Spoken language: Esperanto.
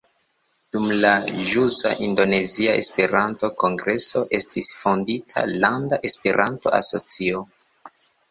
Dum la ĵusa Indonezia Esperanto-kongreso estis fondita landa Esperanto-asocio.